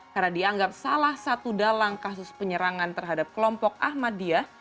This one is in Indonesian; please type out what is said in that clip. karena dianggap salah satu dalam kasus penyerangan terhadap kelompok ahmadiyah